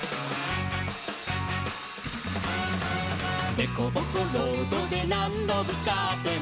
「でこぼこロードでなんどぶつかっても」